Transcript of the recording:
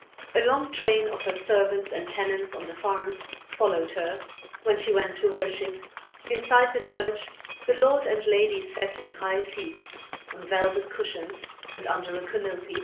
A long train of her servants, and tenants on the farms followed her, when she went to worship. Inside the church, the lord and lady sat, in high seats, on velvet cushions and under a canopy.